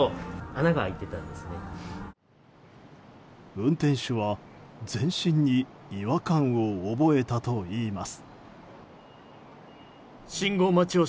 運転手は、全身に違和感を覚えたといいます。